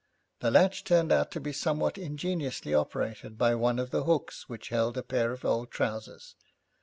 The latch turned out to be somewhat ingeniously operated by one of the hooks which held a pair of old trousers.